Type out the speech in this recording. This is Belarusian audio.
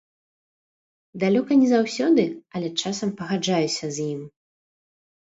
Далёка не заўсёды, але часам пагаджаюся з ім.